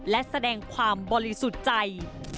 และแสดงความบริสุทธิ์ใจ